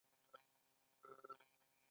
طبیعي ژبه تلپاتې ژبه ده.